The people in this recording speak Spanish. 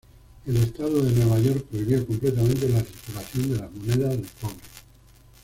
El Estado de Nueva York prohibió completamente la circulación de las monedas de cobre.